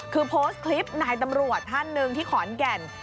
คือโพสต์คลิปนายตำรวจท่านหนึ่งที่ขอนแก่น